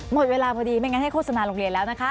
หมดเวลาพอดีไม่งั้นให้โฆษณาโรงเรียนแล้วนะคะ